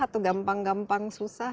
atau gampang gampang susah